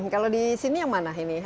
kalau disini yang mana ini